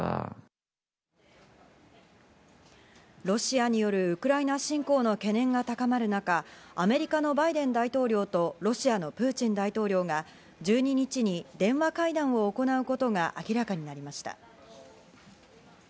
ロシアによるウクライナ侵攻の懸念が高まる中、アメリカのバイデン大統領とロシアのプーチン大統領が１２日に電話会談を行うことが明らかになりました。